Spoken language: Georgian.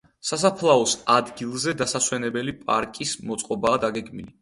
სასაფლაოს ადგილზე დასასვენებელი პარკის მოწყობაა დაგეგმილი.